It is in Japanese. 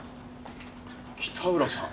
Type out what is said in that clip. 北浦さん？